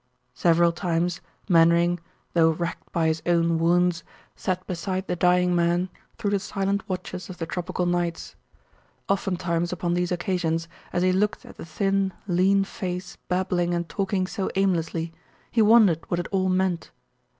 Several times Mainwaring, though racked by his own wounds, sat beside the dying man through the silent watches of the tropical nights. Oftentimes upon these occasions as he looked at the thin, lean face babbling and talking so aimlessly, he wondered what it all meant.